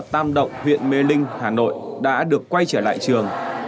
tam động huyện mê linh hà nội đã được quay trở lại trường